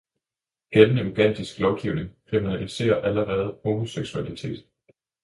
Gældende ugandisk lovgivning kriminaliserer allerede homoseksualitet.